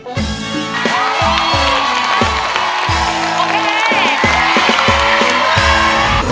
โอเค